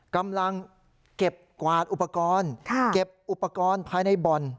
กำลังเก็บกวาดอุปกรณ์เก็บอุปกรณ์ภายในบ่อน